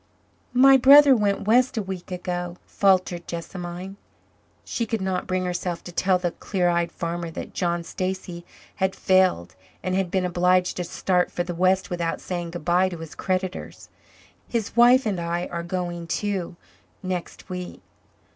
"My brother went west a week ago," faltered Jessamine. She could not bring herself to tell the clear eyed farmer that John Stacy had failed and had been obliged to start for the west without saying goodbye to his creditors. "His wife and I are going too next week."